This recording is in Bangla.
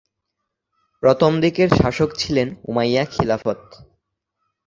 প্রথম দিকের শাসক ছিলেন উমাইয়া খিলাফত।